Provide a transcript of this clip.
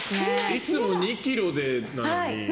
いつも２ｋｇでなのに。